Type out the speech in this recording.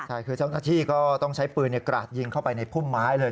ใช่คือเจ้าหน้าที่ก็ต้องใช้ปืนกราดยิงเข้าไปในพุ่มไม้เลย